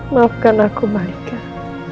maafkan aku balikan